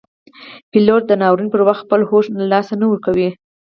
پیلوټ د ناورین پر وخت خپل هوش نه له لاسه ورکوي.